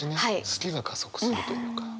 好きが加速するというか。